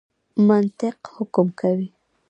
منطق حکم کوي.